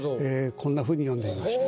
こんなふうに詠んでみました。